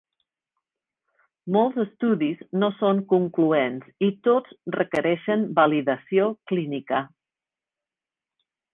Molts estudis no són concloents i tots requereixen validació clínica.